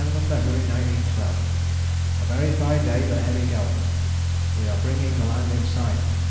7th February 1912. A very fine day but heavy going. We are bringing the land in sight.